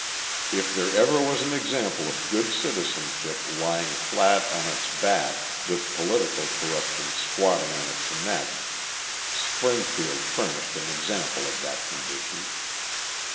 If there ever was an example of good citizenship lying flat on its back with political corruption squatting on its neck, Springfield furnished an example of that condition.